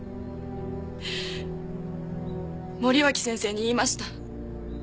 森脇先生に言いました。